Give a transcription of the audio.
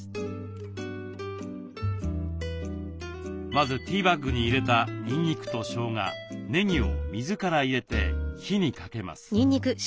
まずティーバッグに入れたにんにくとしょうがねぎを水から入れて火にかけます。